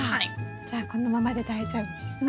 じゃあこのままで大丈夫ですね？